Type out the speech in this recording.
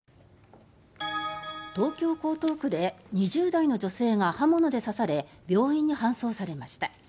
東京・江東区で２０代の女性が刃物で刺され病院に搬送されました。